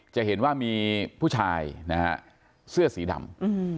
จะเห็นว่ามีผู้ชายนะฮะเสื้อสีดำ